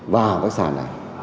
và đề nghị các nhà đầu tư